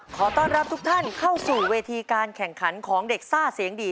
ขอต้อนรับทุกท่านเข้าสู่เวทีการแข่งขันของเด็กซ่าเสียงดี